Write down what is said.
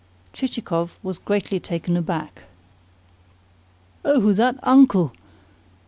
Chichikov was greatly taken aback. "Oh, that uncle!"